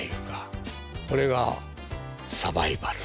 これがサバイバルと。